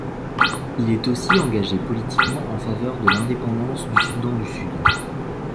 Il est aussi engagé politiquement en faveur de l'indépendance du Soudan du Sud.